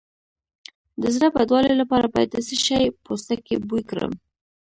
د زړه بدوالي لپاره باید د څه شي پوستکی بوی کړم؟